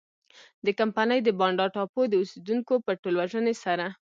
د کمپنۍ د بانډا ټاپو د اوسېدونکو په ټولوژنې سره.